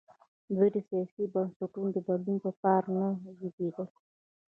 دوی د سیاسي بنسټونو د بدلون په پار نه جنګېدل.